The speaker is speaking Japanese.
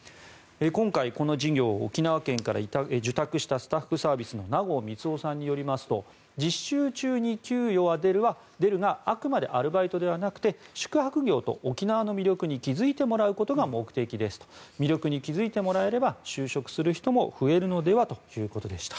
今回、この事業を沖縄県から受託したスタッフサービスの名合光央さんによりますと実習中に給与は出るがあくまでアルバイトではなくて宿泊業と沖縄の魅力に気付いてもらうことが目的ですと魅力に気付いてもらえれば就職する人も増えるのではということでした。